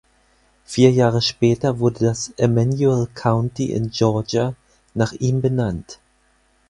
Vier Jahre später wurde das Emanuel County in Georgia nach ihm benannt.